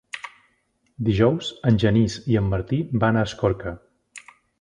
Dijous en Genís i en Martí van a Escorca.